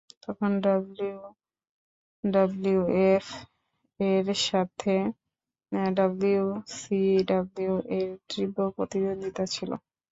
তখন ডাব্লিউডাব্লিউএফ এর সাথে ডাব্লিউসিডাব্লিউ এর তীব্র প্রতিদ্বন্দ্বিতা ছিল।